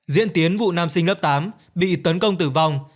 diễn tiến vụ nam sinh lớp tám bị tấn công tử vong